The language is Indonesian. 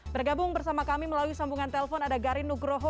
bergabung bersama kami melalui sambungan telpon ada garin nugroho